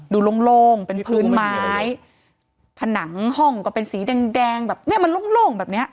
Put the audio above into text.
โล่งเป็นพื้นไม้ผนังห้องก็เป็นสีแดงแดงแบบเนี้ยมันโล่งแบบเนี้ย